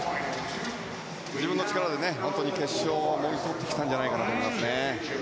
自分の力で決勝をもぎ取ってきたんじゃないかと思いますね。